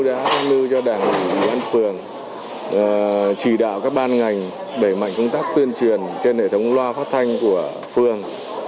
đã tham lưu cho đảng phường chỉ đạo các ban ngành để mạnh công tác tuyên truyền trên hệ thống loa phát thanh của phường